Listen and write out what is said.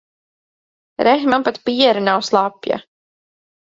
Re, man pat piere nav slapja.